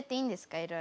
いろいろ。